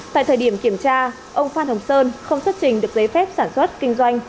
tại thời điểm kiểm tra ông phan hồng sơn không xuất trình được giấy phép sản xuất kinh doanh